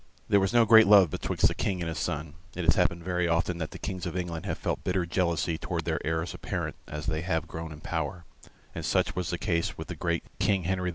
There was no great love betwixt the King and his son; it has happened very often that the Kings of England have felt bitter jealousy towards the heirs apparent as they have grown in power, and such was the case with the great King Henry IV.